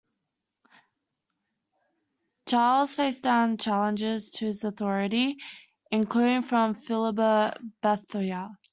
Charles faced down challenges to his authority, including from Philibert Berthelier.